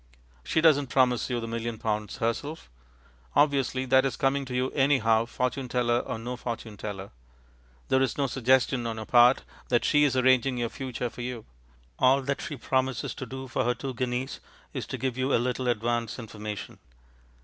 She doesn't promise you the million pounds herself; obviously that is coming to you anyhow, fortune teller or no fortune teller. There is no suggestion on her part that she is arranging your future for you. All that she promises to do for two guineas is to give you a little advance information.